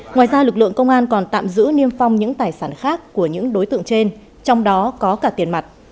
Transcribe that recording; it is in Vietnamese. ngoài ra lực lượng công an còn tạm giữ niêm phong những tài sản khác của những đối tượng trên trong đó có cả tiền mặt